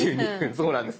そうなんです。